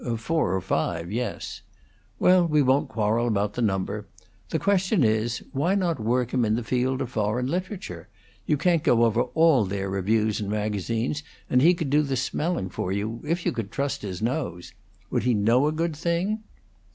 "Four or five, yes." "Well, we won't quarrel about the number. The question is, Why not work him in the field of foreign literature? You can't go over all their reviews and magazines, and he could do the smelling for you, if you could trust his nose. Would he know a good thing?"